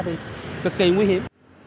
thì cực kỳ nguy hiểm